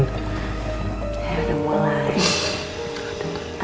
eh udah mulai